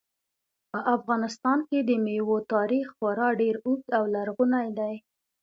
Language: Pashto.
په افغانستان کې د مېوو تاریخ خورا ډېر اوږد او لرغونی دی.